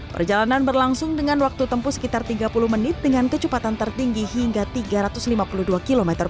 perjalanan berlangsung dengan waktu tempuh sekitar tiga puluh menit dengan kecepatan tertinggi hingga tiga ratus lima puluh dua km